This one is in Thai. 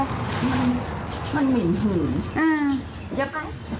มันมันเหมียว